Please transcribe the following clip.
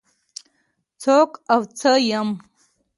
څوک او څه يم؟